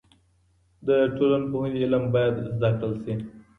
د ټولنپوهنې علم باید زده کړل سي.